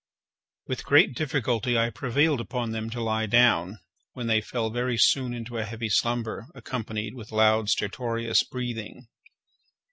With great difficulty I prevailed upon them to lie down, when they fell very soon into a heavy slumber, accompanied with loud stertorous breathing.